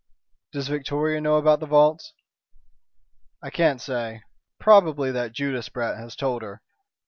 "Does Victoria know about the vaults?" "I can't say. Probably that Judas brat has told her.